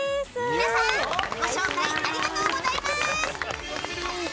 皆さんご紹介ありがとうございます！